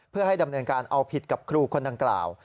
เพื่อให้ดำเนินการเอาผิดกับครูคนดังกล่าว